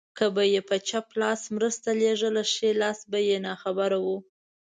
که به يې په چپ لاس مرسته لېږله ښی لاس به يې ناخبره و.